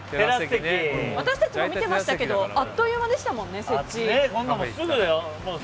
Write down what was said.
私たちも見てましたけどあっという間でしたね、設置。